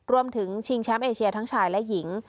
ชิงแชมป์เอเชียทั้งชายและหญิง